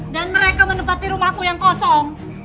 dan mereka menempati rumahku yang kosong